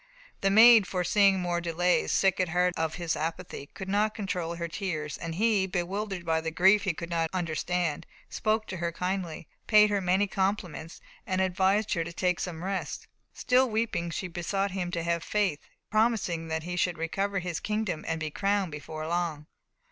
The Maid, foreseeing more delays, sick at heart of his apathy, could not control her tears, and he, bewildered by a grief he could not understand, spoke to her kindly, paid her many compliments, and advised her to take some rest. Still weeping, she besought him to have faith, promising that he should recover his kingdom and be crowned before long.